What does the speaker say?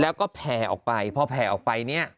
แล้วก็แผ่ออกไปพอแผ่ออกไปเนี่ย